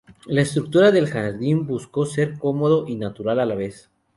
La estructura del jardín buscó ser cómodo y natural a la vez.